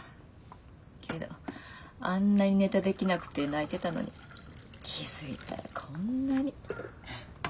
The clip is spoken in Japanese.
けどあんなにネタできなくて泣いてたのに気付いたらこんなに。